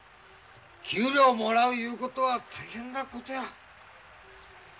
給料もらういうことは大変なことや。